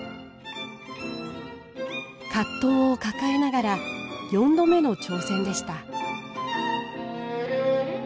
葛藤を抱えながら４度目の挑戦でした。